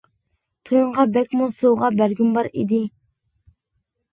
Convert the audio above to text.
تويۇڭغا بەكمۇ سوۋغا بەرگۈم بار ئىدى.